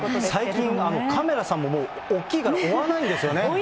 最近、カメラさんももう大きいから追わないんですよね。